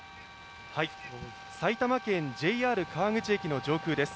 埼玉県ＪＲ川口駅の上空です。